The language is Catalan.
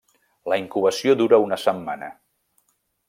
La incubació dura una setmana.